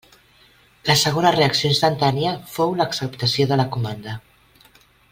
La segona reacció instantània fou l'acceptació de la comanda.